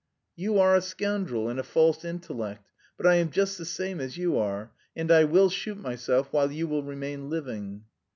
"You are a scoundrel and a false intellect. But I am just the same as you are, and I will shoot myself while you will remain living."